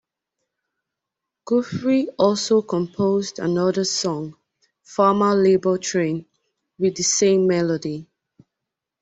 Guthrie also composed another song-"Farmer-Labor Train"-with the same melody.